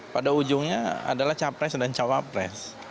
pada ujungnya adalah capres dan cawapres